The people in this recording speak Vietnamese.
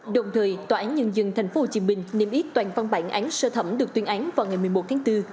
đồng thời tòa án nhân dân tp hcm niêm yết toàn văn bản án sơ thẩm được tuyên án vào ngày một mươi một tháng bốn